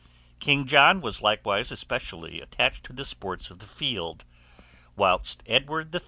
King John was likewise especially attached to the sports of the field; whilst Edward III.